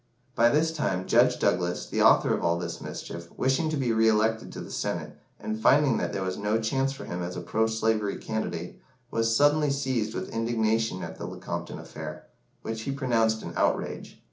By this time, Judge Douglas, the author of all this mischief, wishing to be re elected to the Senate, and finding that there was no chance for him as a pro slavery candidate, was suddenly seized with indignation at the Lecompton affair, which he pronounced an outrage.